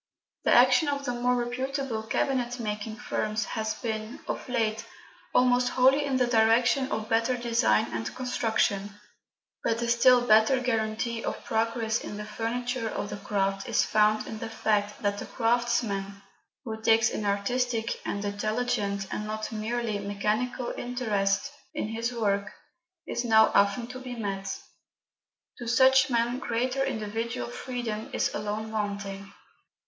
The action of the more reputable cabinetmaking firms has been, of late, almost wholly in the direction of better design and construction; but a still better guarantee of progress in the future of the craft is found in the fact that the craftsman who takes an artistic and intelligent, and not a merely mechanical interest in his work, is now often to be met. To such men greater individual freedom is alone wanting.